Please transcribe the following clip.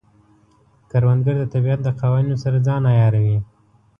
کروندګر د طبیعت د قوانینو سره ځان عیاروي